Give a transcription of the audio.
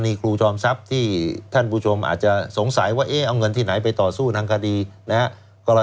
นี่ครูจอมทรัพย์ที่ท่านผู้ชมอาจจะสงสัยว่าเอ๊ะเอาเงินที่ไหนไปต่อสู้ทางคดีนะครับ